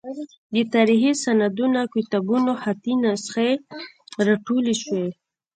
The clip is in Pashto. د تاریخي سندونو او کتابونو خطي نسخې راټولې شوې.